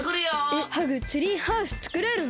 えっハグツリーハウスつくれるの？